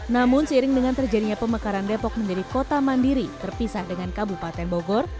namun seiring dengan terjadinya pemekaran depok menjadi kota mandiri terpisah dengan kabupaten bogor